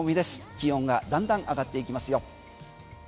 気温がだんだん上がっていきますよ。